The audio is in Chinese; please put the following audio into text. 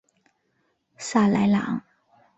萨莱朗。